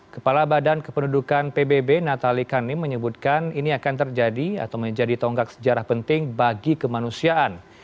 kepala badan kependudukan pbb natali kanim menyebutkan ini akan terjadi atau menjadi tonggak sejarah penting bagi kemanusiaan